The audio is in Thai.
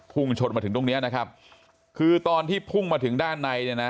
พุ่งชนมาถึงตรงเนี้ยนะครับคือตอนที่พุ่งมาถึงด้านในเนี่ยนะ